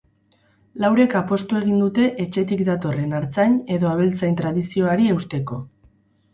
Laurek apostu egin dute etxetik datorren artzain edo abeltzain tradizioari eusteko.